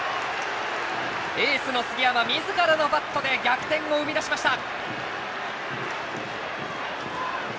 エースの杉山みずからのバットで逆転を生み出しました。